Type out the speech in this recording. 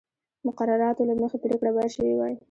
مقرراتو له مخې پرېکړه باید شوې وای.